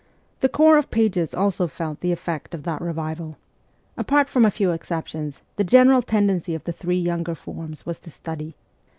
The corps of pages also felt the effect of that revival. Apart from a few exceptions, the general tendency of the three younger forms was to study.